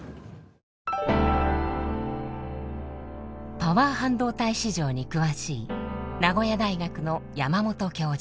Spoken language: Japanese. パワー半導体市場に詳しい名古屋大学の山本教授。